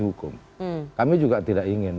hukum kami juga tidak ingin